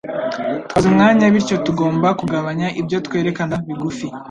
Twabuze umwanya, bityo tugomba kugabanya ibyo twerekanaga bigufi.